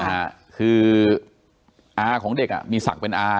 ค่ะคืออาของเด็กอ่ะมีศักดิ์เป็นอา